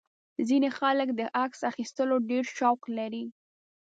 ځینې خلک د عکس اخیستلو ډېر شوق لري.